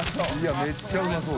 めっちゃうまそう。